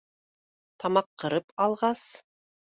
Тамаҡ ҡырып алғас: